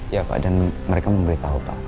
ya pak dan mereka memberitahu pak